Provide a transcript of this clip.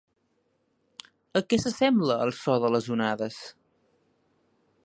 A què s'assembla el so de les onades?